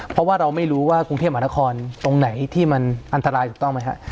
เพราะว่าเราไม่รู้ว่ากรุงเทพมหานครตรงไหนที่มันอันตรายถูกต้องไหมฮะ